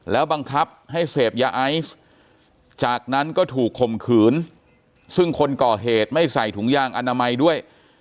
แล้วบังคับให้เสพยาไอซ์จากนั้นก็ถูกข่มขืนซึ่งคนก่อเหตุไม่ใส่ถุงยางอนามัยด้วย